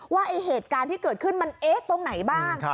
ว่าเหตุการณ์ที่เกิดขึ้นมันเอ๊ะตรงไหนบ้าง